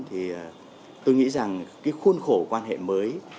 thì tôi nghĩ rằng cái khuôn khổ quan hệ mới